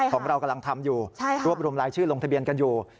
ของเรากำลังทำอยู่รวบรวมรายชื่อลงทะเบียนกันอยู่